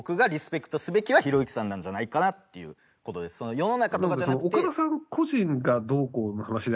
世の中とかじゃなくて。